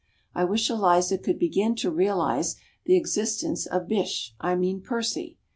I wish Eliza could begin to realise the existence of Bysshe, I mean Percy.